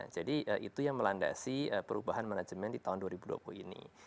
jadi itu yang melandasi perubahan manajemen di tahun dua ribu dua puluh ini